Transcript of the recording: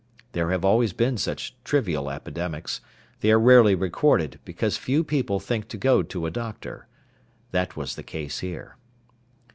There have always been such trivial epidemics. They are rarely recorded, because few people think to go to a doctor. That was the case here.